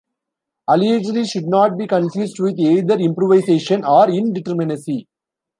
"Aleatory" should not be confused with either improvisation or indeterminacy.